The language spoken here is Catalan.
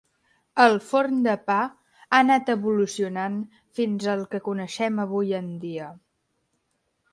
El forn de pa ha anat evolucionant fins al que coneixem avui en dia.